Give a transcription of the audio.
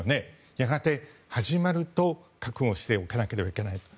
やがて始まると覚悟しておかなければいけない。